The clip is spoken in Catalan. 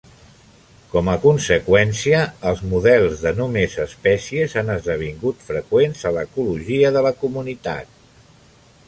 Com a conseqüència, els models de només espècies han esdevingut freqüents a l'ecologia de la comunitat.